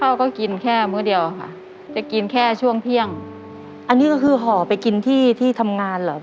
ข้าวก็กินแค่มื้อเดียวค่ะจะกินแค่ช่วงเที่ยงอันนี้ก็คือห่อไปกินที่ที่ทำงานเหรอ